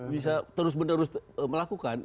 bisa terus menerus melakukan